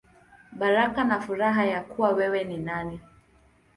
Baraka na Furaha Ya Kuwa Wewe Ni Nani.